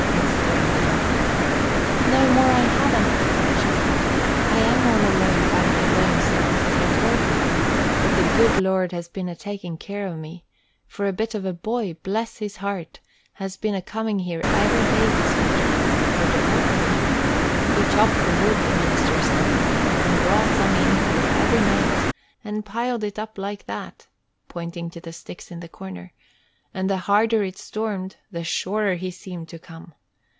exclaimed the doctor. "No more I haven't," she said. "I am all alone by me lone self, as I told ye, but the good Lord has been a takin' care of me; for a bit of a boy, bless his heart! has been a comin' here every day this winter for to help me. He chopped the wood the minister sent me, and brought some in here every night, and piled it up like that" (pointing to the sticks in the corner): "and the harder it stormed, the surer he seemed to come.